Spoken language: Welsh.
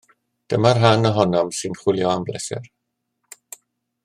Dyma'r rhan ohonom sy'n chwilio am bleser